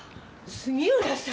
杉浦さん！